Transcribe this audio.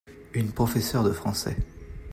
une professeure de français.